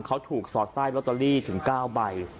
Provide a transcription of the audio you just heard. เขาถูกสอดไส้ลอตเตอรี่ถึง๙ใบ